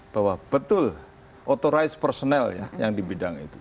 bahwa betul authorized personnel yang di bidang itu